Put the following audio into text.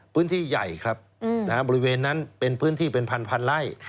พื้นที่ใหญ่ครับบริเวณนั้นเป็นพื้นที่เป็นพันไล่